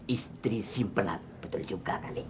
istri simpenan betul juga